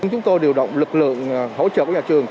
chúng tôi điều động lực lượng hỗ trợ của nhà trường